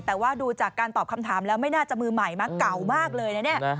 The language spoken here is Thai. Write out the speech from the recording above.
แต่ว่าดูจากการตอบคำถามแล้วไม่น่าจะมือใหม่มั้งเก่ามากเลยนะเนี่ย